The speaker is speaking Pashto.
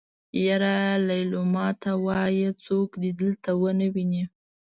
يره ليلما ته وايه څوک دې دلته ونه ويني.